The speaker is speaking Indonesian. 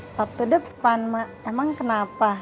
sabtu depan emang kenapa